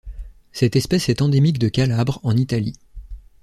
Cette espèce est endémique de Calabre en Italie.